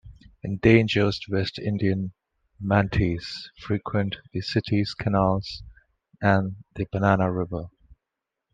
Endangered West Indian manatees frequent the city's canals and the Banana River.